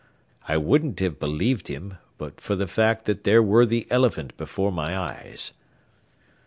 I wouldn't have believed him, but fer the fact that there ware the eliphint before my eyes."